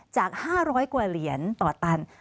จาก๕๐๐กว่าเหรียญต่อตัน